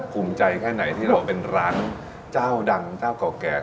ภูมิใจแค่ไหนที่เราเป็นร้านเจ้าดังเจ้าเก่าแก่